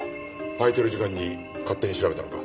空いてる時間に勝手に調べたのか？